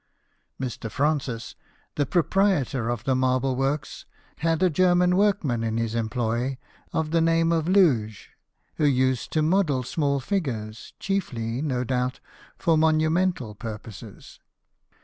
Mr. Francis, the pro prietor of the marble works, had a German workman in his employ of the name of Luge, who used to model small figures, chiefly, no doubt, for monumental purposes.